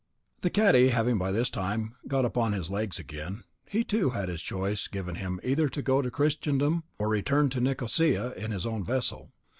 The cadi having by this time got upon his legs again, he, too, had his choice given him either to go into Christendom or return to Nicosia in his own vessel.